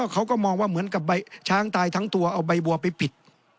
เขาก็มองว่าเหมือนกับช้างตายทั้งตัวเอาใบบัวไปปิด